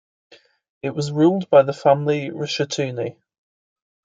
It was ruled by the family Rshtuni.